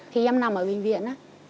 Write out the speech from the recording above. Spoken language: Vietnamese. thì em nằm ở bệnh viện